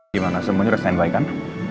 gimana semua ini udah standby kan